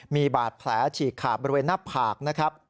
มีบาดแผลฉีกขาดบริเวณหน้าผากนะครับ